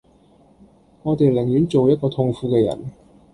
我地寧願做一個痛苦既人